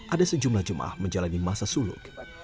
ada sejumlah jemaah menjalani masa suluk